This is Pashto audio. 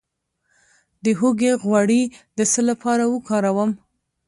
د هوږې غوړي د څه لپاره وکاروم؟